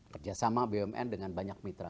kerjasama bumn dengan banyak mitra